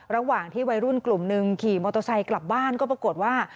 ระหว่างที่วัยรุ่นกลุ่มหนึ่งขี่มอเตอร์ไซค์กลับบ้านก็ปรากฏว่า